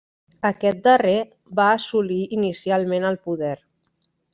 Aquest darrer va assolir inicialment el poder.